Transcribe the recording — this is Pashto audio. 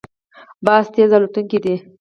باز تېز الوتونکی دی